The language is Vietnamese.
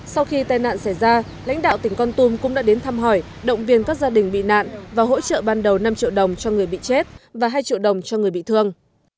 sau khi tai nạn xảy ra lãnh đạo tỉnh con tum cũng đã đến thăm hỏi động viên các gia đình bị nạn và hỗ trợ ban đầu năm triệu đồng cho người bị chết và hai triệu đồng cho người bị thương